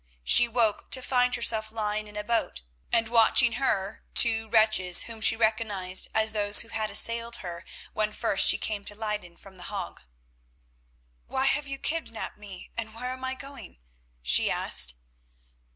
She awoke to find herself lying in a boat, and watching her, two wretches, whom she recognised as those who had assailed her when first she came to Leyden from The Hague. "Why have you kidnapped me, and where am I going?" she asked.